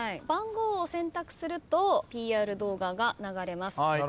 番号を選択するとＰＲ動画が流れます。